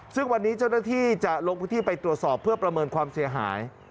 ซึ่งวันนี้เจ้าหน้าที่จะลงพื้นที่ไปตรวจสอบเพื่อประเมินความเสียหาย